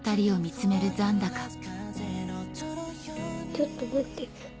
ちょっと待って。